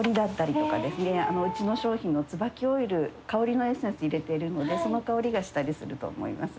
うちの商品のつばきオイル香りのエッセンス入れてるのでその香りがしたりすると思います。